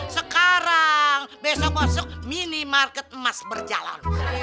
sekarang besok masuk mini market emas berjalan